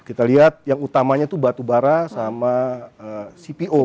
kita lihat yang utamanya itu batu bara sama cpo